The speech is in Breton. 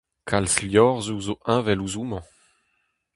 Kalz liorzhoù zo heñvel ouzh homañ.